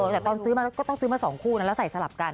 แต่ตอนซื้อมาก็ต้องซื้อมา๒คู่นะแล้วใส่สลับกัน